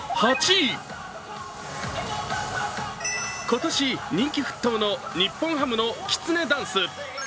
今年、人気沸騰の日本ハムのきつねダンス。